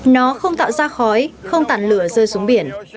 nó không tạo ra khói không tản lửa rơi xuống biển